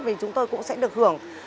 vì chúng tôi cũng sẽ được hưởng